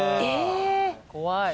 怖い。